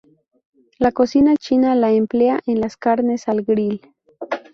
La cocina china la emplea en las carnes al grill.